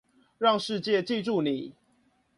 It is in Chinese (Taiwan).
讓世界記住你